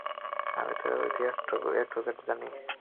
আমি ওর ইতিহাস এ টু জেড জানি।